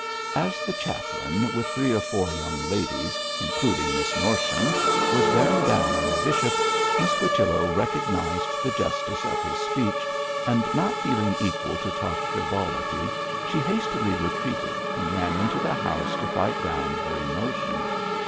As the chaplain, with three or four young ladies, including Miss Norsham, was bearing down on the bishop, Miss Whichello recognised the justice of his speech, and not feeling equal to talk frivolity, she hastily retreated and ran into the house to fight down her emotion.